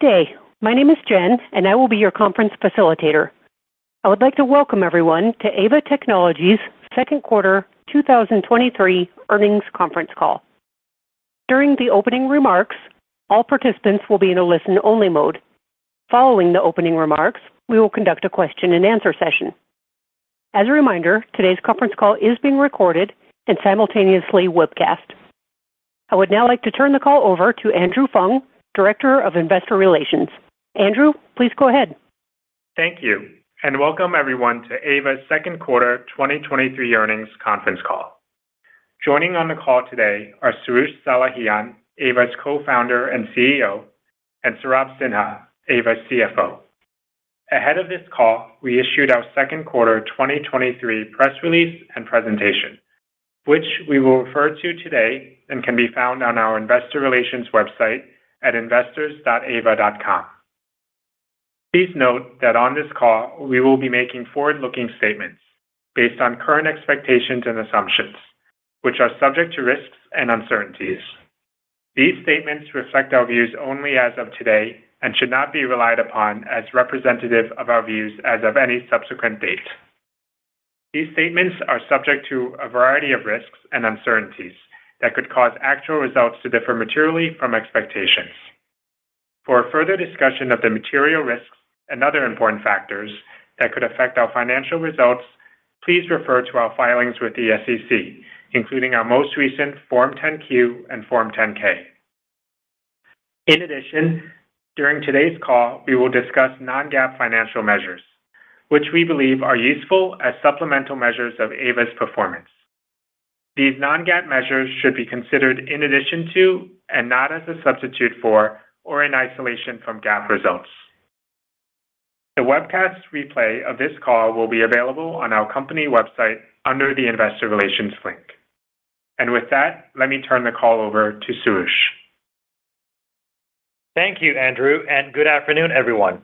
Good day. My name is Jen, and I will be your conference facilitator. I would like to welcome everyone to Aeva Technologies Second Quarter 2023 Earnings Conference Call. During the opening remarks, all participants will be in a listen-only mode. Following the opening remarks, we will conduct a question-and-answer session. As a reminder, today's conference call is being recorded and simultaneously webcast. I would now like to turn the call over to Andrew Fung, Director of Investor Relations. Andrew, please go ahead. Thank you. Welcome everyone to Aeva's second quarter 2023 earnings conference call. Joining on the call today are Soroush Salehian, Aeva's Co-Founder and CEO, and Saurabh Sinha, Aeva's CFO. Ahead of this call, we issued our second quarter 2023 press release and presentation, which we will refer to today and can be found on our investor relations website at investors.aeva.com. Please note that on this call, we will be making forward-looking statements based on current expectations and assumptions, which are subject to risks and uncertainties. These statements reflect our views only as of today and should not be relied upon as representative of our views as of any subsequent date. These statements are subject to a variety of risks and uncertainties that could cause actual results to differ materially from expectations. For a further discussion of the material risks and other important factors that could affect our financial results, please refer to our filings with the SEC, including our most recent Form 10-Q and Form 10-K. In addition, during today's call, we will discuss non-GAAP financial measures, which we believe are useful as supplemental measures of Aeva's performance. These non-GAAP measures should be considered in addition to, and not as a substitute for or in isolation from GAAP results. The webcast replay of this call will be available on our company website under the Investor Relations link. With that, let me turn the call over to Soroush. Thank you, Andrew. Good afternoon, everyone.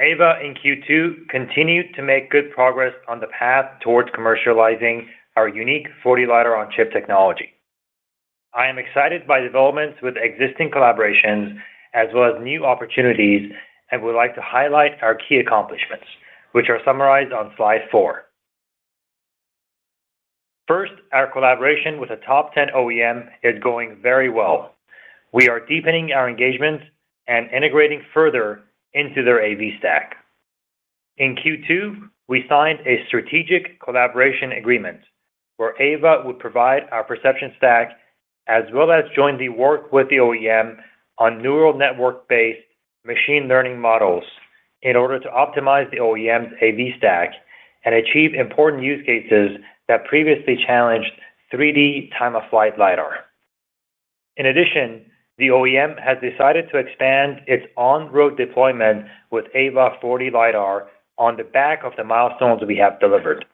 Aeva in Q2 continued to make good progress on the path towards commercializing our unique 4D LiDAR-on-Chip technology. I am excited by developments with existing collaborations as well as new opportunities and would like to highlight our key accomplishments, which are summarized on slide 4. First, our collaboration with a top 10 OEM is going very well. We are deepening our engagement and integrating further into their AV stack. In Q2, we signed a strategic collaboration agreement where Aeva would provide our perception stack, as well as join the work with the OEM on neural network-based machine learning models in order to optimize the OEM's AV stack and achieve important use cases that previously challenged 3D time-of-flight LiDAR. In addition, the OEM has decided to expand its on-road deployment with Aeva 4D LiDAR on the back of the milestones we have delivered.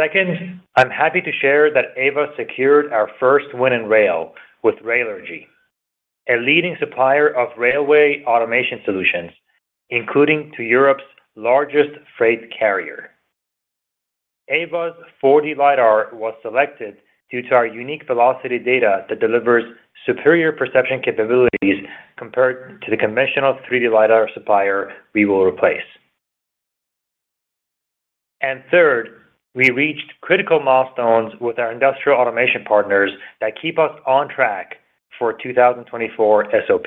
Second, I'm happy to share that Aeva secured our first win in rail with Railergy, a leading supplier of railway automation solutions, including to Europe's largest freight carrier. Aeva's 4D LiDAR was selected due to our unique velocity data that delivers superior perception capabilities compared to the conventional 3D LiDAR supplier we will replace. Third, we reached critical milestones with our industrial automation partners that keep us on track for a 2024 SOP,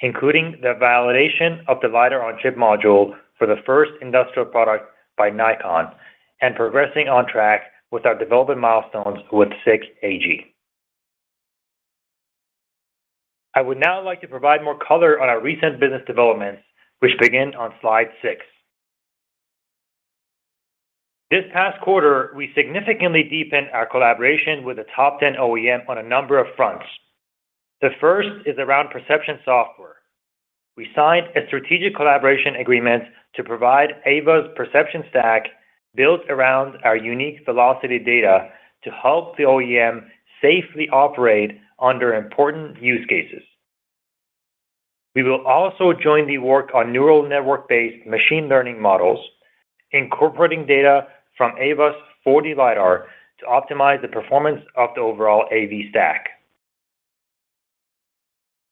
including the validation of the LiDAR-on-Chip module for the first industrial product by Nikon and progressing on track with our development milestones with SICK AG. I would now like to provide more color on our recent business developments, which begin on slide six. This past quarter, we significantly deepened our collaboration with the top 10 OEM on a number of fronts. The first is around perception software. We signed a strategic collaboration agreement to provide Aeva's perception stack, built around our unique velocity data, to help the OEM safely operate under important use cases. We will also join the work on neural network-based machine learning models, incorporating data from Aeva's 4D LiDAR to optimize the performance of the overall AV stack.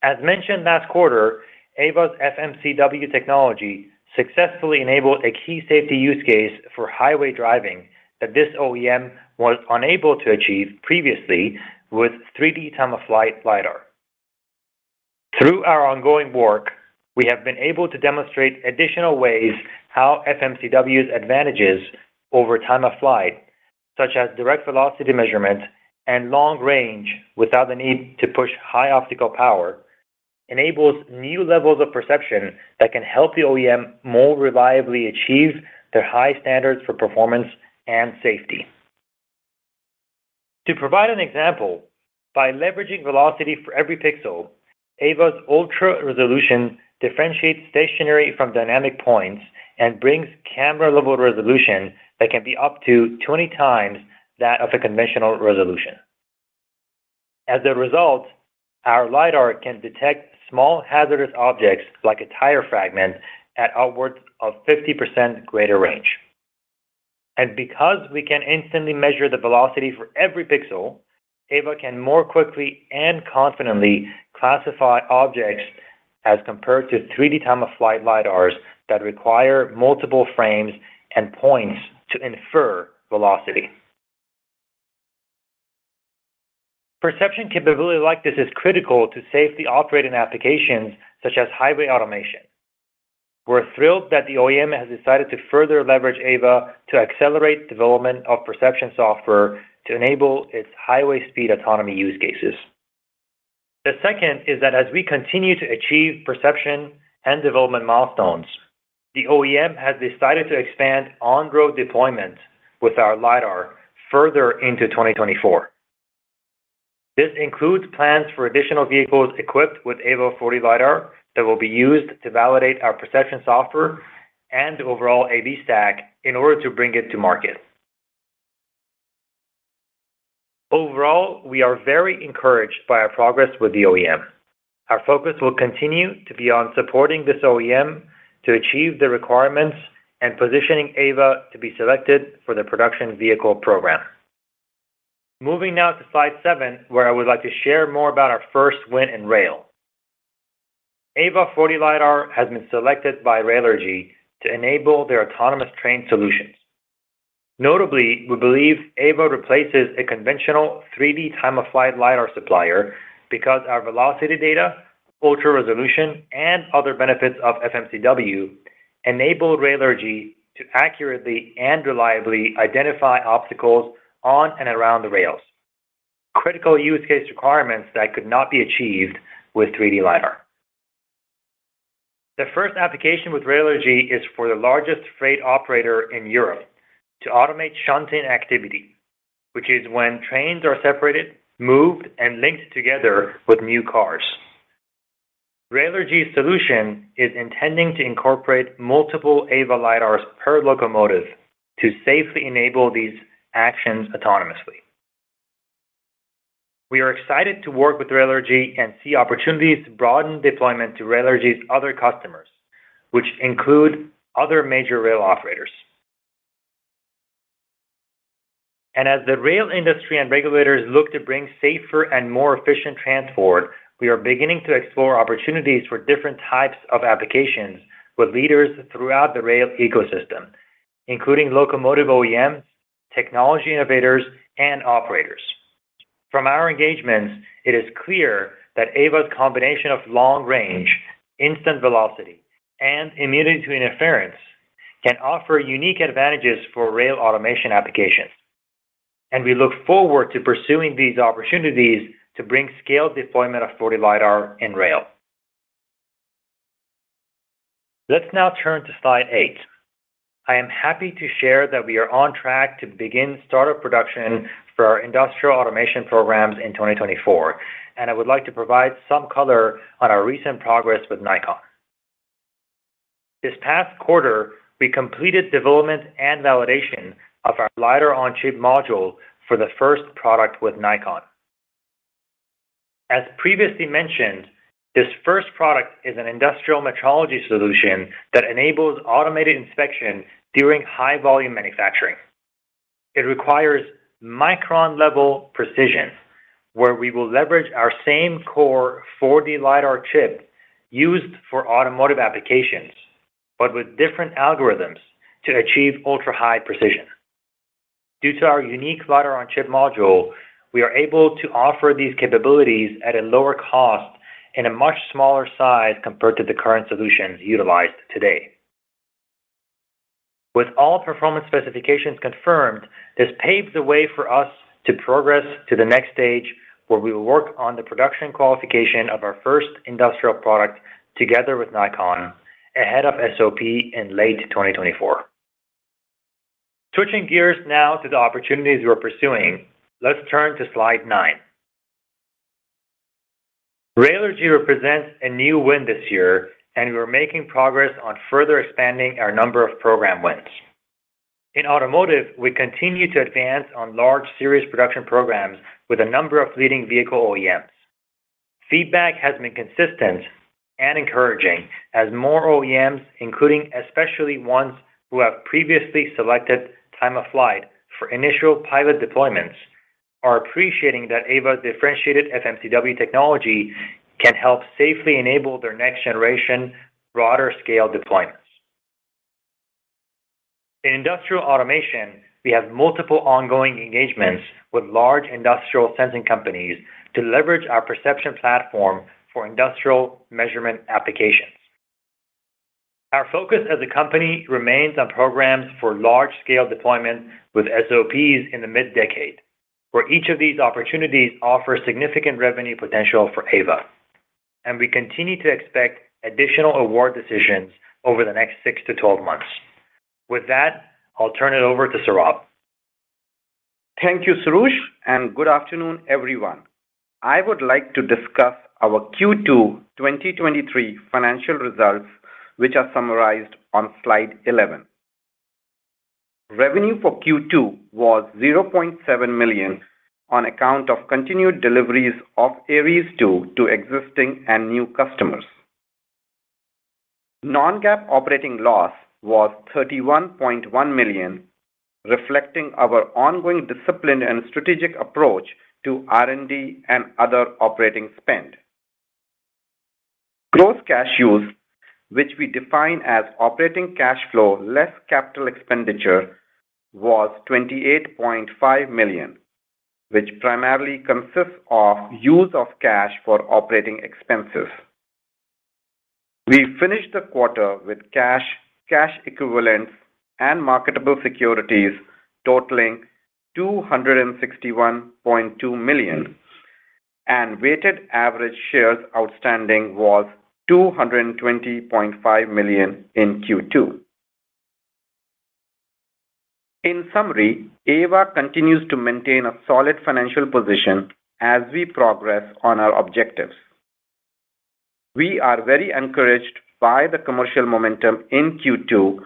As mentioned last quarter, Aeva's FMCW technology successfully enabled a key safety use case for highway driving that this OEM was unable to achieve previously with 3D time-of-flight LiDAR. Through our ongoing work, we have been able to demonstrate additional ways how FMCW's advantages over time-of-flight, such as direct velocity measurement and long range, without the need to push high optical power, enables new levels of perception that can help the OEM more reliably achieve their high standards for performance and safety. To provide an example, by leveraging velocity for every pixel, Aeva's Ultra Resolution differentiates stationary from dynamic points and brings camera-level resolution that can be up to 20 times that of a conventional resolution. As a result, our LiDAR can detect small hazardous objects, like a tire fragment, at outwards of 50% greater range. Because we can instantly measure the velocity for every pixel, Aeva can more quickly and confidently classify objects as compared to 3D time-of-flight LiDARs that require multiple frames and points to infer velocity. Perception capability like this is critical to safely operating applications such as highway automation. We're thrilled that the OEM has decided to further leverage Aeva to accelerate development of perception software to enable its highway speed autonomy use cases. The second is that as we continue to achieve perception and development milestones, the OEM has decided to expand on-road deployment with our LiDAR further into 2024. This includes plans for additional vehicles equipped with Aeva 4D LiDAR that will be used to validate our perception software and overall AV stack in order to bring it to market. Overall, we are very encouraged by our progress with the OEM. Our focus will continue to be on supporting this OEM to achieve the requirements and positioning Aeva to be selected for the production vehicle program. Moving now to slide seven, where I would like to share more about our first win in rail. Aeva 4D LiDAR has been selected by Railergy to enable their autonomous train solutions. Notably, we believe Aeva replaces a conventional 3D time-of-flight LiDAR supplier because our velocity data, Ultra Resolution, and other benefits of FMCW enable Railergy to accurately and reliably identify obstacles on and around the rails. Critical use case requirements that could not be achieved with 3D LiDAR. The first application with Railergy is for the largest freight operator in Europe to automate shunting activity, which is when trains are separated, moved, and linked together with new cars. Railergy's solution is intending to incorporate multiple Aeva LiDARs per locomotive to safely enable these actions autonomously. We are excited to work with Railergy and see opportunities to broaden deployment to Railergy's other customers, which include other major rail operators. As the rail industry and regulators look to bring safer and more efficient transport, we are beginning to explore opportunities for different types of applications with leaders throughout the rail ecosystem, including locomotive OEMs, technology innovators, and operators. From our engagements, it is clear that Aeva's combination of long range, instant velocity, and immunity to interference can offer unique advantages for rail automation applications, and we look forward to pursuing these opportunities to bring scaled deployment of 4D LiDAR in rail. Let's now turn to slide 8. I am happy to share that we are on track to begin startup production for our industrial automation programs in 2024, and I would like to provide some color on our recent progress with Nikon. This past quarter, we completed development and validation of our LiDAR-on-Chip module for the first product with Nikon. As previously mentioned, this first product is an industrial metrology solution that enables automated inspection during high-volume manufacturing. It requires micron-level precision, where we will leverage our same core 4D LiDAR chip used for automotive applications, but with different algorithms to achieve ultra-high precision. Due to our unique LiDAR-on-Chip module, we are able to offer these capabilities at a lower cost and a much smaller size compared to the current solutions utilized today. With all performance specifications confirmed, this paves the way for us to progress to the next stage, where we will work on the production qualification of our first industrial product together with Nikon ahead of SOP in late 2024. Switching gears now to the opportunities we're pursuing, let's turn to slide nine. Railergy represents a new win this year, and we're making progress on further expanding our number of program wins. In automotive, we continue to advance on large series production programs with a number of leading vehicle OEMs. Feedback has been consistent and encouraging as more OEMs, including especially ones who have previously selected time of flight for initial pilot deployments, are appreciating that Aeva's differentiated FMCW technology can help safely enable their next generation, broader scale deployments. In industrial automation, we have multiple ongoing engagements with large industrial sensing companies to leverage our perception platform for industrial measurement applications. Our focus as a company remains on programs for large-scale deployment with SOPs in the mid-decade, where each of these opportunities offer significant revenue potential for Aeva, and we continue to expect additional award decisions over the next six to 12 months. With that, I'll turn it over to Saurabh. Thank you, Soroush. Good afternoon, everyone. I would like to discuss our Q2 2023 financial results, which are summarized on slide 11. Revenue for Q2 was $0.7 million on account of continued deliveries of Aeries II to existing and new customers. Non-GAAP operating loss was $31.1 million, reflecting our ongoing discipline and strategic approach to R&D and other operating spend. Gross cash use, which we define as operating cash flow less capital expenditure, was $28.5 million, which primarily consists of use of cash for operating expenses. We finished the quarter with cash, cash equivalents, and marketable securities totaling $261.2 million, and weighted average shares outstanding was 220.5 million in Q2. In summary, Aeva continues to maintain a solid financial position as we progress on our objectives. We are very encouraged by the commercial momentum in Q2,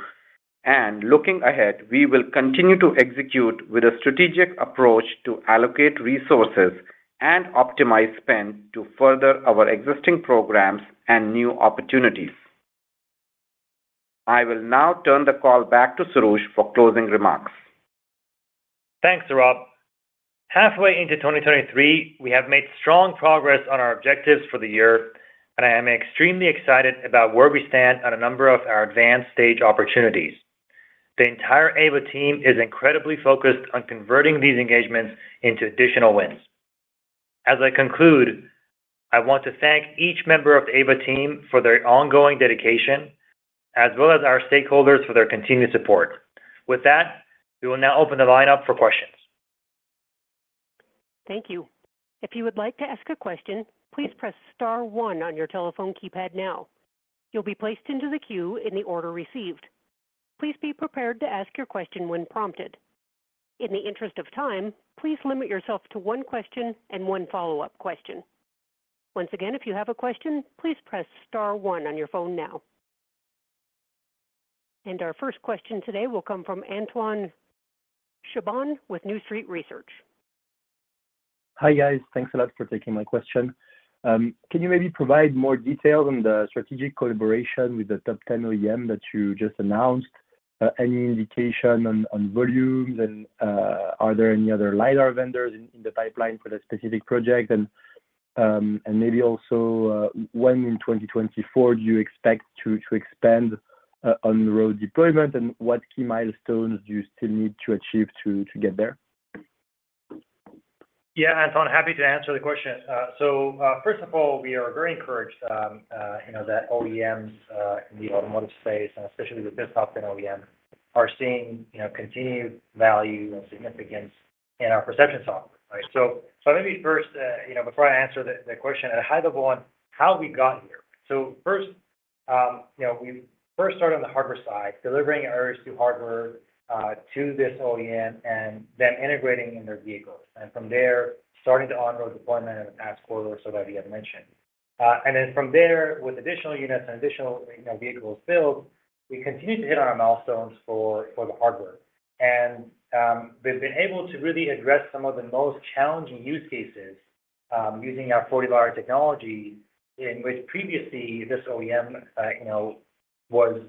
and looking ahead, we will continue to execute with a strategic approach to allocate resources and optimize spend to further our existing programs and new opportunities. I will now turn the call back to Soroush for closing remarks. Thanks, Saurabh. Halfway into 2023, we have made strong progress on our objectives for the year, I am extremely excited about where we stand on a number of our advanced stage opportunities. The entire Aeva team is incredibly focused on converting these engagements into additional wins. As I conclude, I want to thank each member of the Aeva team for their ongoing dedication, as well as our stakeholders for their continued support. With that, we will now open the line up for questions. Thank you. If you would like to ask a question, please press star one on your telephone keypad now. You'll be placed into the queue in the order received. Please be prepared to ask your question when prompted. In the interest of time, please limit yourself to one question and one follow-up question. Once again, if you have a question, please press star one on your phone now. Our first question today will come from Antoine Chkaiban with New Street Research. Hi, guys. Thanks a lot for taking my question. Can you maybe provide more detail on the strategic collaboration with the top 10 OEM that you just announced? Any indication on volumes and, are there any other LiDAR vendors in the pipeline for that specific project? Maybe also, when in 2024 do you expect to expand on the road deployment, and what key milestones do you still need to achieve to get there? Yeah, Antoine, happy to answer the question. First of all, we are very encouraged, you know, that OEMs in the automotive space, and especially with this top 10 OEM, are seeing, you know, continued value and significance in our perception software, right? Let me first, you know, before I answer the question at a high level on how we got here. First, you know, we first started on the hardware side, delivering Aeries to hardware to this OEM and then integrating in their vehicles. From there, starting the on-road deployment in the past quarter or so that we had mentioned. From there, with additional units and additional, you know, vehicles built, we continued to hit on our milestones for the hardware. We've been able to really address some of the most challenging use cases, using our 4D LiDAR technology, in which previously this OEM, you know, was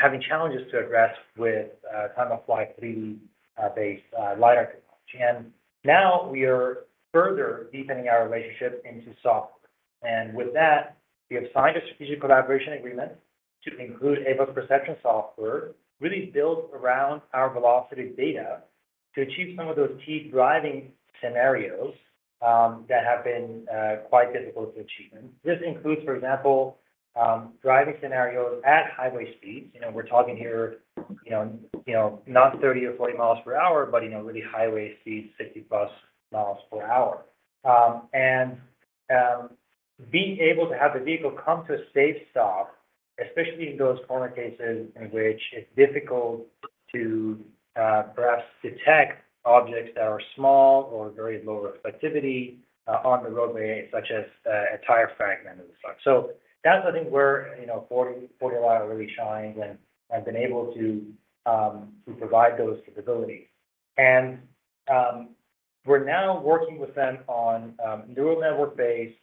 having challenges to address with time-of-flight 3D LiDAR technology. Now we are further deepening our relationship into software. With that, we have signed a strategic collaboration agreement to include Aeva perception software, really built around our velocity data, to achieve some of those key driving scenarios that have been quite difficult to achieve. This includes, for example, driving scenarios at highway speeds. You know, we're talking here, you know, not 30 or 40 miles per hour, but, you know, really highway speeds, 60+ miles per hour. Being able to have the vehicle come to a safe stop, especially in those corner cases in which it's difficult to perhaps detect objects that are small or very low reflectivity on the roadway, such as a tire fragment and the like. That's, I think, where, you know, 4D LiDAR really shines and been able to provide those capabilities. We're now working with them on neural network-based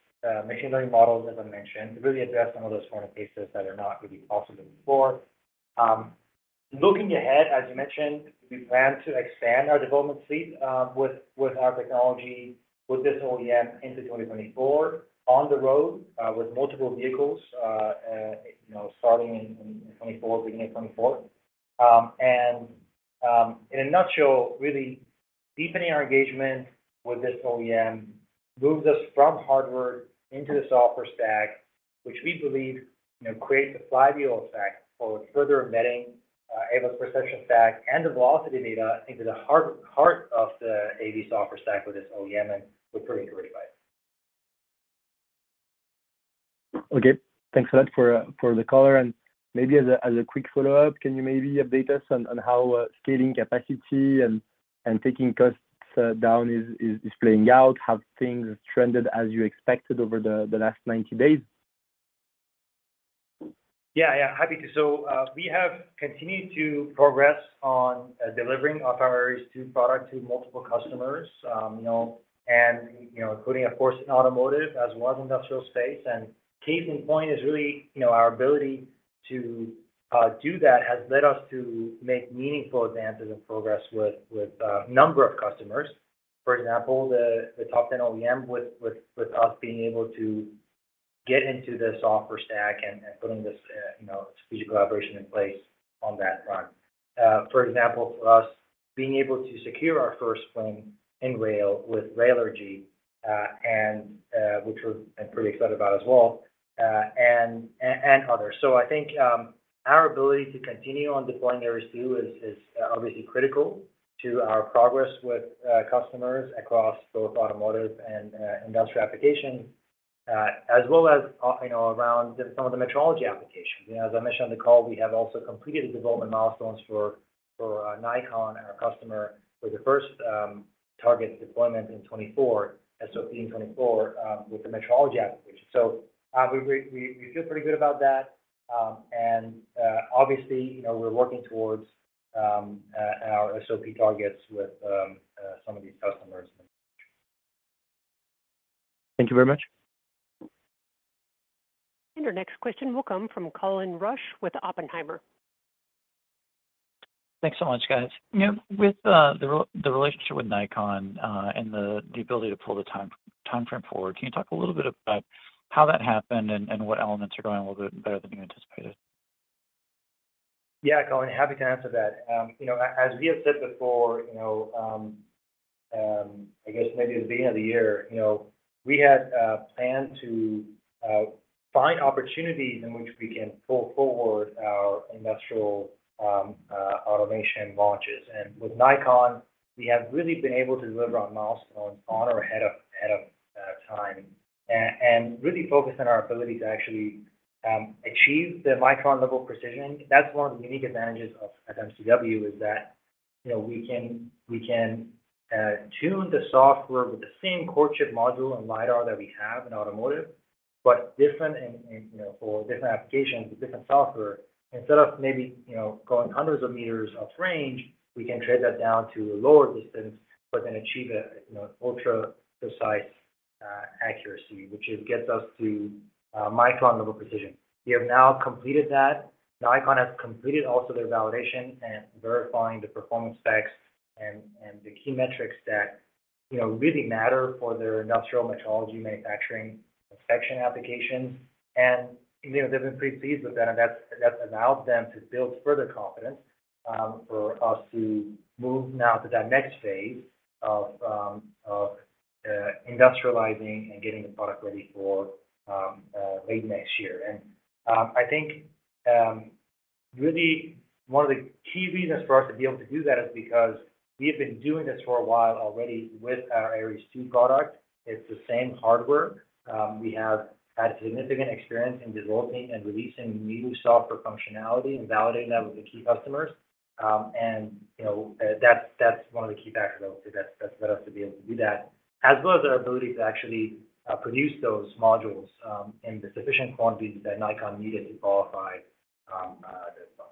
machine learning models, as I mentioned, to really address some of those corner cases that are not really possible before. Looking ahead, as you mentioned, we plan to expand our development fleet with our technology, with this OEM into 2024, on the road with multiple vehicles, you know, starting in 2024, beginning 2024. In a nutshell, really deepening our engagement with this OEM moves us from hardware into the software stack, which we believe, you know, creates a flywheel effect for further embedding, Aeva's perception stack and the velocity data into the heart, heart of the AV software stack with this OEM, and we're pretty encouraged by it. Okay. Thanks a lot for, for the color. Maybe as a, as a quick follow-up, can you maybe update us on, on how scaling capacity and, and taking costs down is, is, is playing out? Have things trended as you expected over the, the last 90 days? Yeah, yeah, happy to. We have continued to progress on delivering our Aeries II product to multiple customers, you know, and, you know, including, of course, automotive as well as industrial space. Case in point is really, you know, our ability to do that has led us to make meaningful advances and progress with a number of customers. For example, the top 10 OEM with us being able to get into the software stack and putting this, you know, strategic collaboration in place on that front. For example, for us, being able to secure our first win in rail with Railergy, and which we're pretty excited about as well, and others. I think, our ability to continue on deploying Aeries II is, is obviously critical to our progress with customers across both automotive and industrial applications, as well as, you know, around some of the metrology applications. You know, as I mentioned on the call, we have also completed the development milestones for, for Nikon, our customer, for the first target deployment in 2024, SOP in 2024, with the metrology application. We feel pretty good about that, and obviously, you know, we're working towards our SOP targets with some of these customers. Thank you very much. Your next question will come from Colin Rusch with Oppenheimer. Thanks so much, guys. You know, with the relationship with Nikon, and the ability to pull the time frame forward, can you talk a little bit about how that happened and what elements are going a little bit better than you anticipated? Yeah, Colin, happy to answer that. You know, as we have said before, you know, I guess maybe at the beginning of the year, you know, we had planned to find opportunities in which we can pull forward our industrial automation launches. With Nikon, we have really been able to deliver on milestones on or ahead of, ahead of time and, and really focus on our ability to actually achieve the micron-level precision. That's one of the unique advantages of FMCW, is that, you know, we can, we can tune the software with the same core chip module and LiDAR that we have in automotive, but different and, and, you know, for different applications, different software. Instead of maybe, you know, going hundreds of meters of range, we can trade that down to a lower distance, but then achieve a, you know, ultra-precise accuracy, which it gets us to micron-level precision. We have now completed that. Nikon has completed also their validation and verifying the performance specs and the key metrics that, you know, really matter for their industrial metrology manufacturing inspection applications. You know, they've been pretty pleased with that, and that's, that's allowed them to build further confidence for us to move now to that next phase of industrializing and getting the product ready for late next year. I think, really one of the key reasons for us to be able to do that is because we have been doing this for a while already with our Aeries II product. It's the same hardware. We have had significant experience in developing and releasing new software functionality and validating that with the key customers. You know, that's, that's one of the key factors that, that's led us to be able to do that, as well as our ability to actually produce those modules in the sufficient quantities that Nikon needed to qualify this product.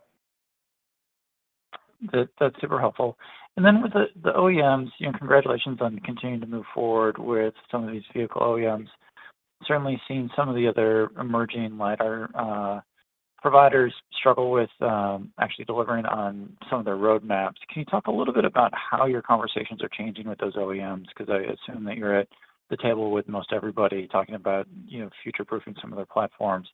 That, that's super helpful. Then with the, the OEMs, you know, congratulations on continuing to move forward with some of these vehicle OEMs. Certainly seen some of the other emerging lidar providers struggle with actually delivering on some of their roadmaps. Can you talk a little bit about how your conversations are changing with those OEMs? Because I assume that you're at the table with most everybody talking about, you know, future-proofing some of their platforms.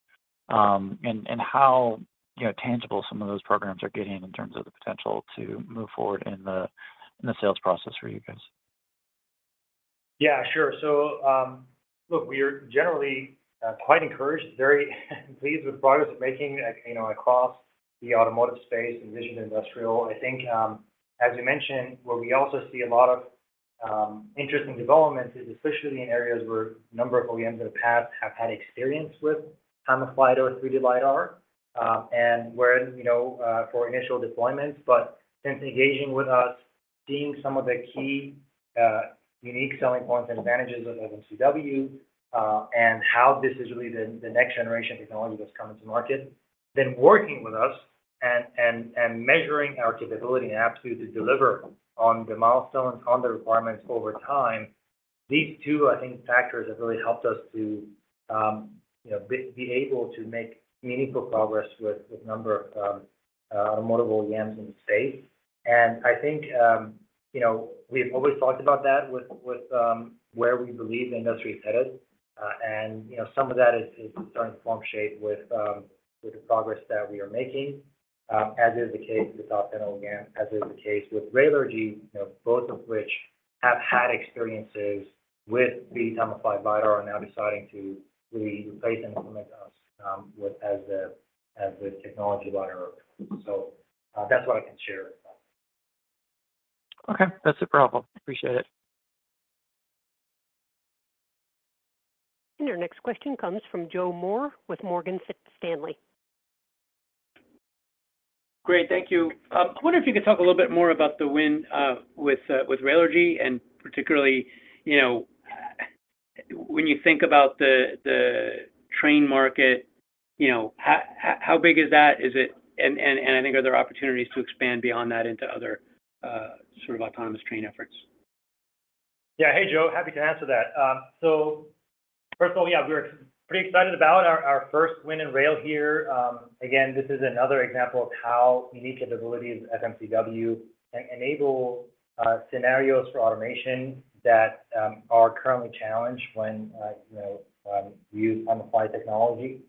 And how, you know, tangible some of those programs are getting in terms of the potential to move forward in the sales process for you guys. Yeah, sure. Look, we are generally quite encouraged, very pleased with the progress we're making, you know, across the automotive space and vision industrial. I think, as you mentioned, where we also see a lot of interesting developments is especially in areas where a number of OEMs in the past have had experience with time-of-flight or 3D LiDAR, and where, you know, for initial deployments. Since engaging with us, seeing some of the key unique selling points and advantages of FMCW, and how this is really the, the next generation technology that's coming to market, working with us and measuring our capability and aptitude to deliver on the milestones, on the requirements over time. These two, I think, factors have really helped us to, you know, be able to make meaningful progress with a number of automotive OEMs in the space. I think, you know, we've always talked about that with where we believe the industry is headed. You know, some of that is starting to form shape with the progress that we are making, as is the case with top 10 OEM, as is the case with Railergy, you know, both of which have had experiences with the time-of-flight LiDAR are now deciding to really replace and implement us with as the technology of LiDAR. That's what I can share. Okay, that's super helpful. Appreciate it. Our next question comes from Joe Moore with Morgan Stanley. Great, thank you. I wonder if you could talk a little bit more about the win with with Railergy, and particularly, you know, when you think about the, the train market, you know, how, how, how big is that? Is it, and I think are there opportunities to expand beyond that into other, sort of autonomous train efforts? Yeah. Hey, Joe. Happy to answer that. First of all, yeah, we're pretty excited about our, our first win in rail here. Again, this is another example of how unique capabilities at FMCW can enable scenarios for automation that are currently challenged when, you know, we use time-of-flight technology.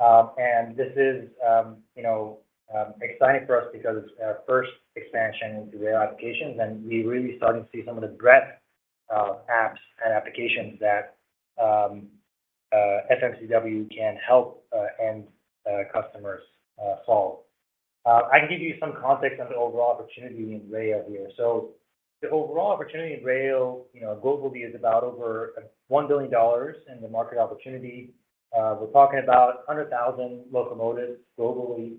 This is, you know, exciting for us because it's our first expansion into rail applications, and we're really starting to see some of the breadth of apps and applications that FMCW can help end customers solve. I can give you some context on the overall opportunity in rail here. The overall opportunity in rail, you know, globally, is about over $1 billion in the market opportunity. We're talking about 100,000 locomotives globally,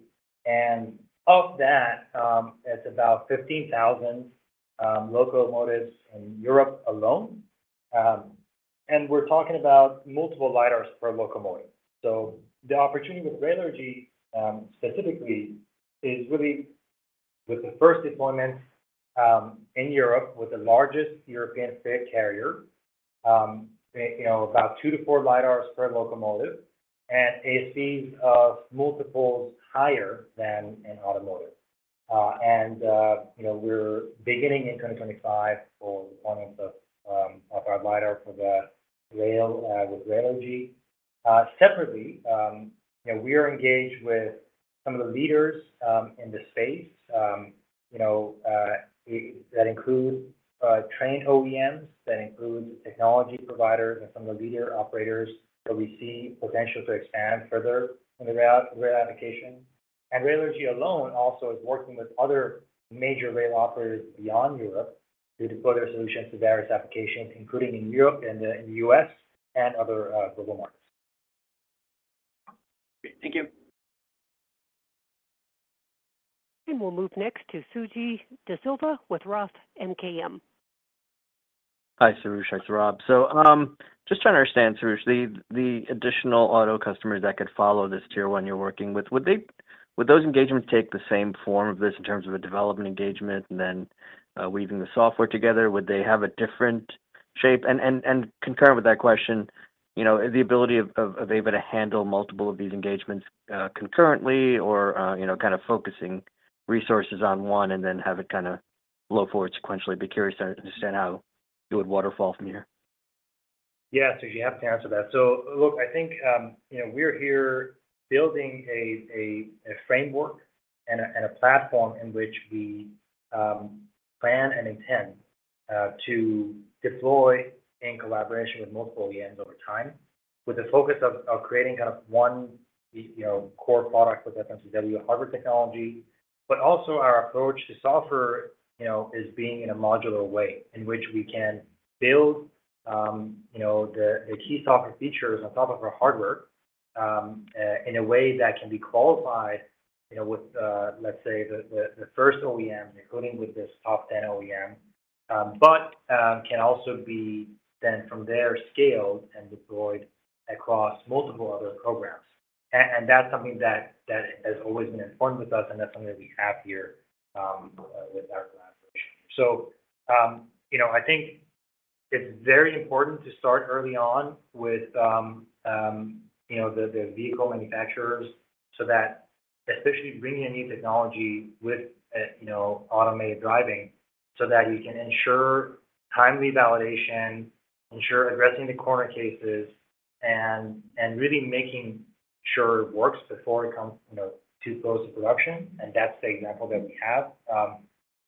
and of that, it's about 15,000 locomotives in Europe alone. We're talking about multiple LiDARs per locomotive. The opportunity with Railergy, specifically, is really with the first deployment in Europe, with the largest European freight carrier, you know, about 2-4 LiDARs per locomotive, and ASPs of multiples higher than in automotive. You know, we're beginning in 2025 for deployment of our LiDAR for the rail with Railergy. Separately, you know, we are engaged with some of the leaders in the space, you know, that include train OEMs, that includes technology providers and some of the leader operators that we see potential to expand further in the rail, rail application. Railergy alone also is working with other major rail operators beyond Europe to deploy their solutions to various applications, including in Europe and the, in the U.S. and other global markets. Thank you. We'll move next to Suji DeSilva with Roth MKM. Hi, Soroush. It's Saurabh. Just trying to understand, Soroush, the additional auto customers that could follow this tier one you're working with, would those engagements take the same form of this in terms of a development engagement and then weaving the software together? Would they have a different shape? Concurrent with that question, you know, the ability of Aeva to handle multiple of these engagements concurrently or, you know, kind of focusing resources on one and then have it kind of flow forward sequentially. Be curious to understand how it would waterfall from here? Yeah, Suji, happy to answer that. I think, you know, we're here building a, a, a framework and a, and a platform in which we plan and intend to deploy in collaboration with multiple OEMs over time, with the focus of, of creating kind of one, you know, core product with FMCW hardware technology. Our approach to software, you know, is being in a modular way in which we can build, you know, the, the key software features on top of our hardware in a way that can be qualified, you know, with, let's say, the, the, the first OEM, including with this top 10 OEM. Can also be then from there, scaled and deployed across multiple other programs. That's something that, that has always been in line with us, and that's something that we have here with our collaboration. You know, I think it's very important to start early on with, you know, the, the vehicle manufacturers, so that especially bringing a new technology with, you know, automated driving, so that you can ensure timely validation, ensure addressing the corner cases, and, and really making sure it works before it comes, you know, too close to production. That's the example that we have.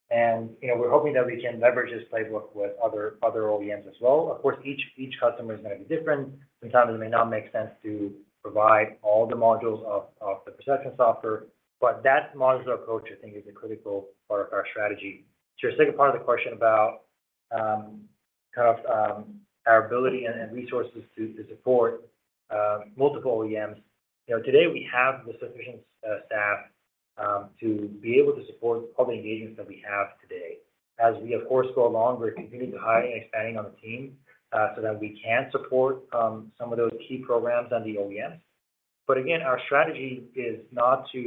You know, we're hoping that we can leverage this playbook with other, other OEMs as well. Of course, each, each customer is going to be different. Sometimes it may not make sense to provide all the modules of, of the perception software, but that modular approach, I think, is a critical part of our strategy. To your second part of the question about, kind of, our ability and resources to support multiple OEMs. You know, today we have the sufficient staff to be able to support all the engagements that we have today. As we, of course, go along, we're continuing to hire and expanding on the team so that we can support some of those key programs on the OEMs. Again, our strategy is not to,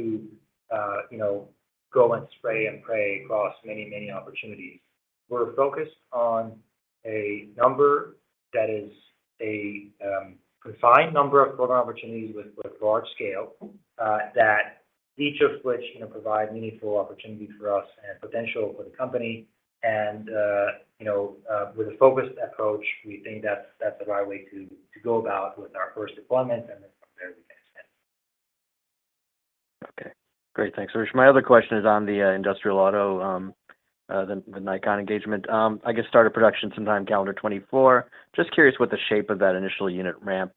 you know, go and spray and pray across many, many opportunities. We're focused on a number that is a confined number of program opportunities with large scale, that each of which, you know, provide meaningful opportunities for us and potential for the company. You know, with a focused approach, we think that's the right way to go about with our first deployment, and then from there, we can expand. Okay, great. Thanks, Soroush. My other question is on the industrial auto, the Nikon engagement. I guess start of production sometime calendar 2024. Just curious what the shape of that initial unit ramp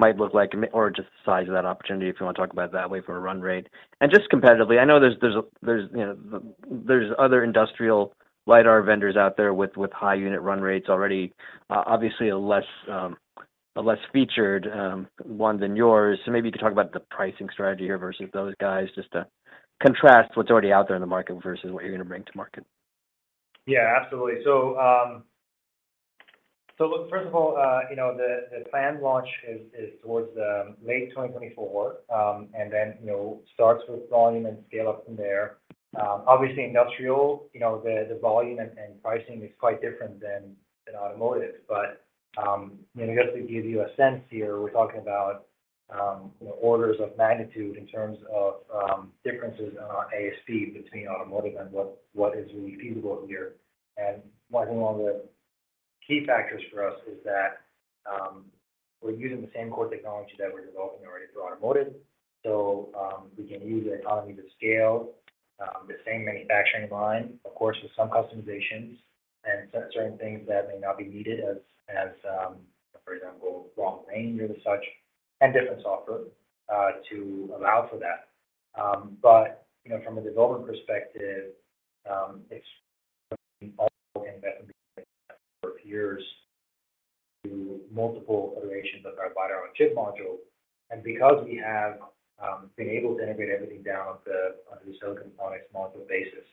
might look like or just the size of that opportunity, if you want to talk about it that way, for a run rate. Just competitively, I know there's, you know, other industrial LiDAR vendors out there with high unit run rates already. Obviously, a less featured one than yours. Maybe you could talk about the pricing strategy here versus those guys, just to contrast what's already out there in the market versus what you're going to bring to market. Yeah, absolutely. Look, first of all, you know, the, the planned launch is, is towards the late 2024, and then, you know, starts with volume and scale up from there. Obviously, industrial, you know, the, the volume and, and pricing is quite different than in automotive, but, you know, just to give you a sense here, we're talking about orders of magnitude in terms of differences in our ASP between automotive and what, what is really feasible here. And I think one of the key factors for us is that we're using the same core technology that we're developing already for automotive. We can use the economy to scale, the same manufacturing line, of course, with some customizations and certain things that may not be needed as, as, for example, long range or such, and different software to allow for that. But, you know, from a development perspective, it's also investment for years to multiple iterations of our chip module. Because we have been able to integrate everything down to the Silicon Photonics module basis,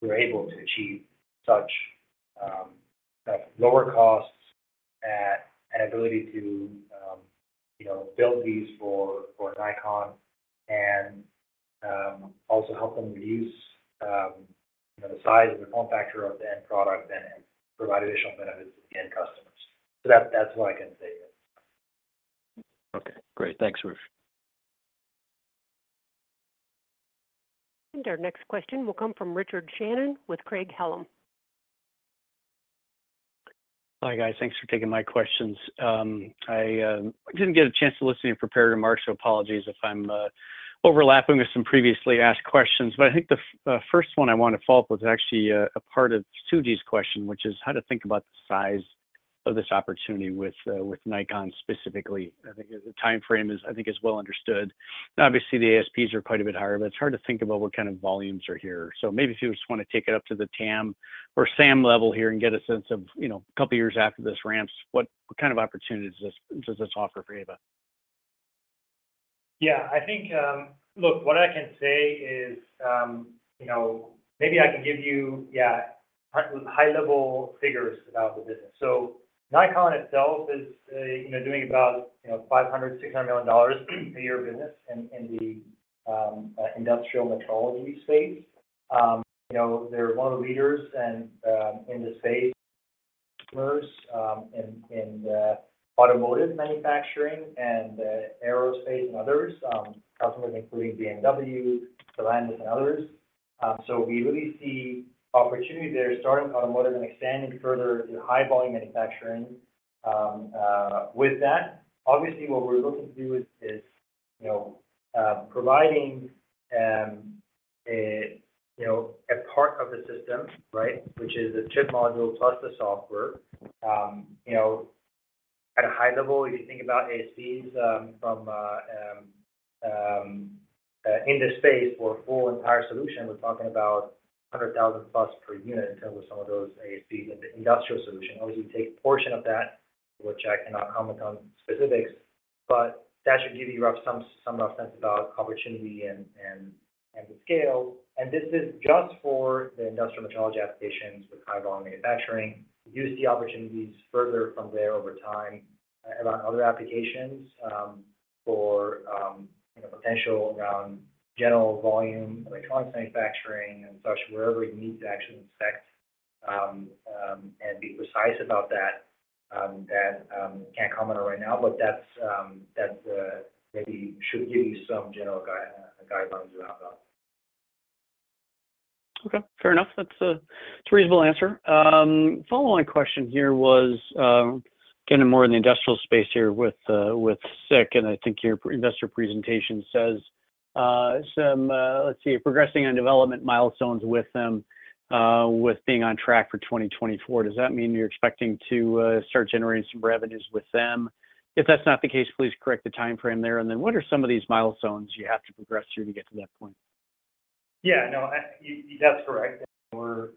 we're able to achieve such lower costs at an ability to, you know, build these for Nikon and also help them reduce the size and the form factor of the end product and provide additional benefits to the end customers. That, that's what I can say here. Okay, great. Thanks, Soroush. Our next question will come from Richard Shannon with Craig-Hallum. Hi, guys. Thanks for taking my questions. I didn't get a chance to listen to your prepared remarks, so apologies if I'm overlapping with some previously asked questions. I think the first one I want to follow up with is actually a part of Suji's question, which is how to think about the size of this opportunity with Nikon specifically. I think the time frame is, I think, is well understood. Obviously, the ASPs are quite a bit higher, but it's hard to think about what kind of volumes are here. Maybe if you just want to take it up to the TAM or SAM level here and get a sense of, you know, a couple of years after this ramps, what kind of opportunities does this, does this offer for Aeva? Yeah, I think. Look, what I can say is, you know, maybe I can give you, yeah, high-level figures about the business. Nikon itself is, you know, doing about, you know, $500 million-$600 million a year business in, in the industrial metrology space. You know, they're one of the leaders and, in the space, in, in the automotive manufacturing and the aerospace and others, customers, including BMW, Stellantis, and others. We really see opportunity there, starting with automotive and expanding further into high volume manufacturing. With that, obviously, what we're looking to do is, is, you know, a, you know, a part of the system, right, which is the chip module plus the software. you know, at a high level, if you think about ASPs, from in the space for a full entire solution, we're talking about $100,000+ per unit in terms of some of those ASP in the industrial solution. Obviously, we take a portion of that, which I cannot comment on specifics, but that should give you a rough, some rough sense about opportunity and the scale. This is just for the industrial metrology applications for high volume manufacturing. We do see opportunities further from there over time around other applications, for potential around general volume, electronics, manufacturing, and such, wherever you need to actually inspect, and be precise about that, can't comment on right now, but that's, maybe should give you some general guidelines around that. Okay, fair enough. That's a, it's a reasonable answer. Follow-on question here was, getting more in the industrial space here with, with SICK, and I think your investor presentation says, some, let's see, progressing on development milestones with them, with being on track for 2024. Does that mean you're expecting to start generating some revenues with them? If that's not the case, please correct the time frame there. Then what are some of these milestones you have to progress through to get to that point? Yeah, no, I, you, that's correct. We're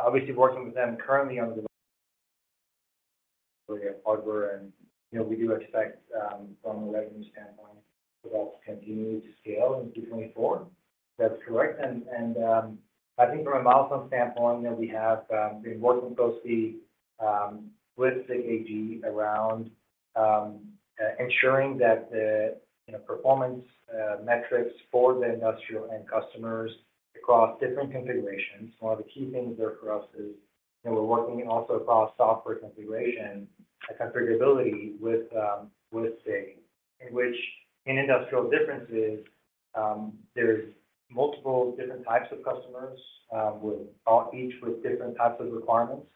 obviously working with them currently on the hardware, and, you know, we do expect, from a revenue standpoint, that's continuing to scale in 2024. That's correct. I think from a milestone standpoint, that we have been working closely with SICK AG around ensuring that the, you know, performance metrics for the industrial end customers across different configurations. One of the key things there for us is, you know, we're working also across software configuration, a configurability with SICK, in which in industrial differences, there's multiple different types of customers, with all, each with different types of requirements.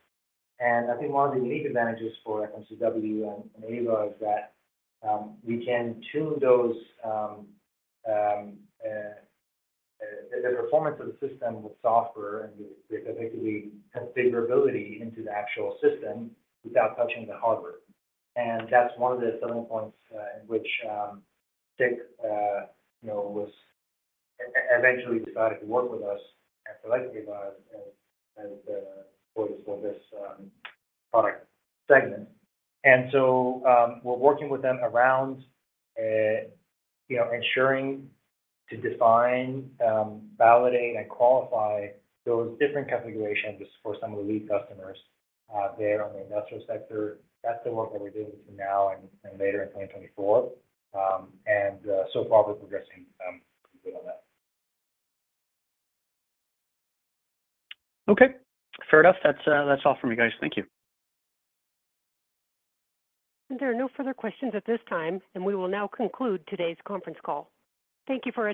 I think one of the unique advantages for FMCW and Aeva is that we can tune those the performance of the system with software, and basically, configurability into the actual system without touching the hardware. That's one of the selling points, in which SICK, you know, was eventually decided to work with us after I gave us, as, for this product segment. We're working with them around, you know, ensuring to define, validate, and qualify those different configurations for some of the lead customers, there on the industrial sector. That's the work that we're doing for now and later in 2024. So far, we're progressing good on that. Okay, fair enough. That's, that's all from me, guys. Thank you. There are no further questions at this time, and we will now conclude today's conference call. Thank you for attending.